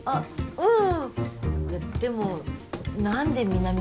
うん。